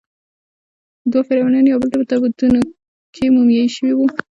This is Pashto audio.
دوه فرعونیان یوبل ته په تابوتونو کې مومیایي شوي وو.